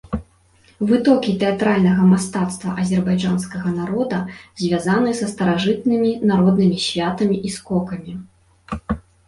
Вытокі тэатральнага мастацтва азербайджанскага народа звязаны са старажытнымі народнымі святамі і скокамі.